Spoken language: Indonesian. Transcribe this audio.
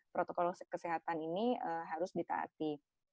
protokol kesehatan ini harus ditaati